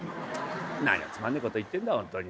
「何つまんねえ事言ってんだ本当に。